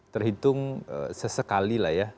terhitung sesekali lah ya